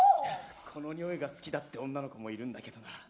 このにおいが好きだって女の子もいるんだけどな。